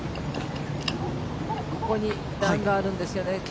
ここに段があるんですよね。